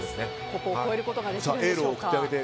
ここを超えることができるんでしょうか。